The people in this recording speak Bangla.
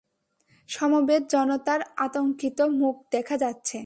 সমবেত জনতার আতংকিত মুখ দেখা যাচ্ছে!